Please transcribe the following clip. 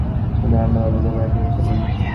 আমার ধারণা, বাবা কাউকে পাঠিয়েছিলেন।